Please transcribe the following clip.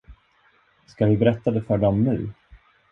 Ska vi berätta det för dem nu?